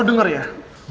gue gak kasih tau